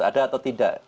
ada atau tidak